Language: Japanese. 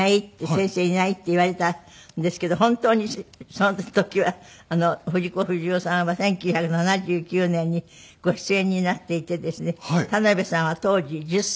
「先生いない」って言われたんですけど本当にその時は藤子不二雄さんは１９７９年にご出演になっていてですね田辺さんは当時１０歳。